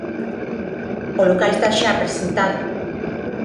O local está xa precintado.